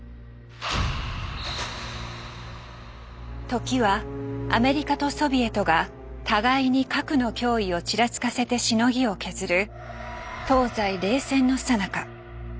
時はアメリカとソビエトが互いに核の脅威をちらつかせてしのぎを削る東西冷戦のさなか。